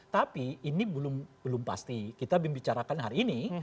tapi ini belum pasti kita bicarakan hari ini